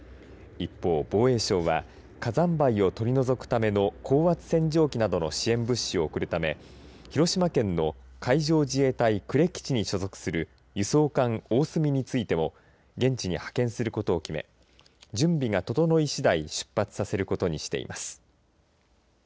一方、防衛省は火山灰を取り除くための高圧洗浄機などの支援物資を送るため広島県の海上自衛隊、呉基地に所属する輸送艦おおすみについても現地に派遣することを決め準備が整いしだい出発させることにしています。